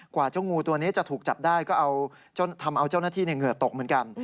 เจ้างูตัวนี้จะถูกจับได้ก็เอาจนทำเอาเจ้าหน้าที่เหงื่อตกเหมือนกัน